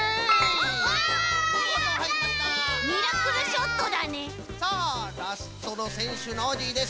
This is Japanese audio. ミラクルショットだね。